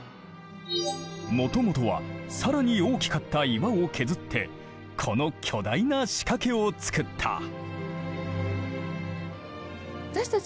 もともとは更に大きかった岩を削ってこの巨大な仕掛けをつくった。